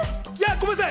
ごめんなさい。